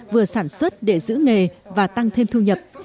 vừa sản xuất để giữ nghề và tăng thêm thu nhập